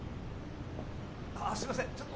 ・あっすいません。